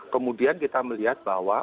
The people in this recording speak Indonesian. kemudian kita melihat bahwa